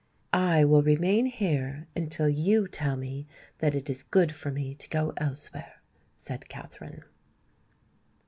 "I will remain here until you tell me that it is good for me to go elsewhere," said Katherine.